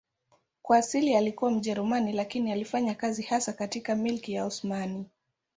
Kwa asili alikuwa Mjerumani lakini alifanya kazi hasa katika Milki ya Osmani.